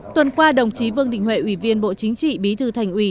tuần qua đồng chí vương định huệ ủy viên bộ chính trị bí thư thành uỷ